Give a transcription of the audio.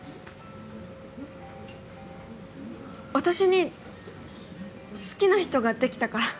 私に好きな人ができたから。